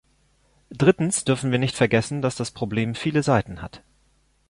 Drittens dürfen wir nicht vergessen, dass das Problem viele Seiten hat.